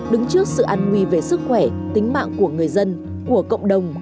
đứng trước sự an nguy về sức khỏe tính mạng của người dân của cộng đồng